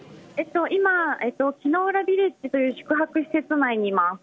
今、木ノ浦ビレッジという宿泊施設内にいます。